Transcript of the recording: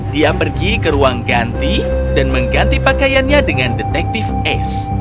dia pergi ke ruang ganti dan mengganti pakaiannya dengan detektif ace